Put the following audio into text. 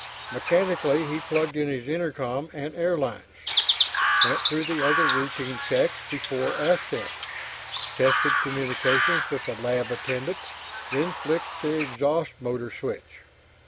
Mechanically, he plugged in his intercom and air lines, went through the other routine checks before ascent, tested communications with the lab attendant, then flicked the exhaust motor switch.